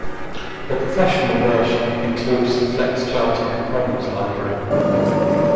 The Professional version includes the Flex Charting Components library.